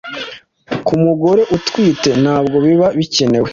ku mugore utwite ntabwo biba bikenewe